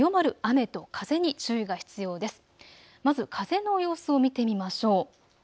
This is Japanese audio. まず風の様子を見てみましょう。